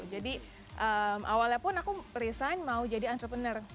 jadi awalnya pun aku resign mau jadi entrepreneur